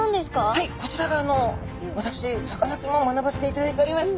はいこちらが私さかなクンも学ばせていただいております